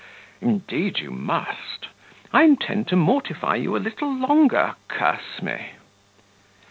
indeed you must. I intend to mortify you a little longer, curse me!"